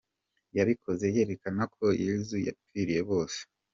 Yabikoze yerekana ko Yezu yapfiriye bose.